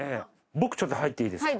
僕ちょっと入っていいですか？